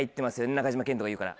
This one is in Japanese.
中島健人が言うから。